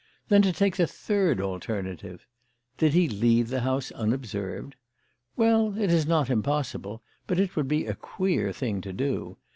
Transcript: "Then to take the third alternative: Did he leave the house unobserved? Well, it is not impossible, but it would be a queer thing to do.